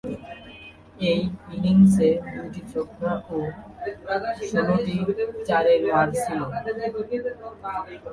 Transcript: ঐ ইনিংসে দুইটি ছক্কা ও ষোলটি চারের মার ছিল।